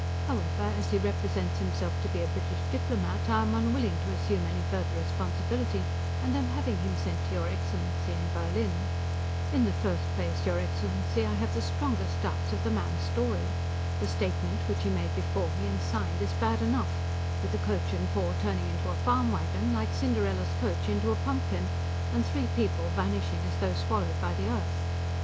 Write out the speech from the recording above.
However, as he represents himself to be a British diplomat, I am unwilling to assume any further responsibility, and am having him sent to your excellency, in Berlin. In the first place, your excellency, I have the strongest doubts of the man's story. The statement which he made before me, and signed, is bad enough, with a coach and four turning into a farm wagon, like Cinderella's coach into a pumpkin, and three people vanishing as though swallowed by the earth.